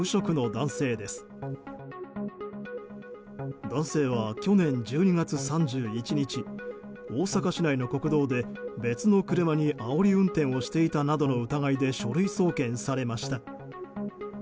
男性は、去年１２月３１日大阪市内の国道で別の車にあおり運転をしていたなどの疑いで書類送検されました。